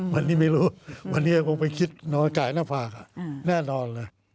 วันนี้ไม่รู้วันนี้คงไปคิดน้อยกายหน้าผากแน่นอนเลย